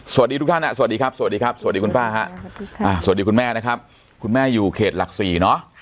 สวัสดีทุกท่านสวัสดีครับสวัสดีครับสวัสดีคุณป้าฮะสวัสดีคุณแม่นะครับคุณแม่อยู่เขตหลักสี่เนอะ